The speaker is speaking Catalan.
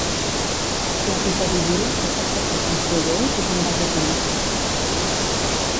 La piperidina es fa servir com solvent i com base química.